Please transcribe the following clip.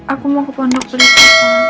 aku mau ke pondok dulu papa